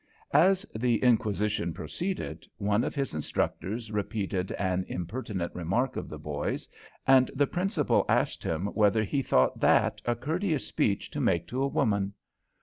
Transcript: As the inquisition proceeded, one of his instructors repeated an impertinent remark of the boy's, and the Principal asked him whether he thought that a courteous speech to make to a woman.